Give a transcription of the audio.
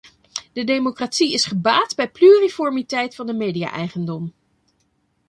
De democratie is gebaat bij pluriformiteit van de media-eigendom.